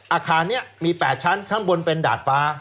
อาคารนี้มี๘ชั้นข้างบนเป็นดาดฟ้า